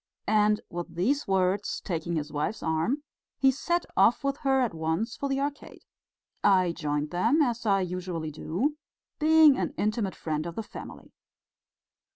And with these words, taking his wife's arm, he set off with her at once for the Arcade. I joined them, as I usually do, being an intimate friend of the family.